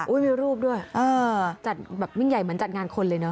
มีรูปด้วยเออจัดแบบยิ่งใหญ่เหมือนจัดงานคนเลยเนอ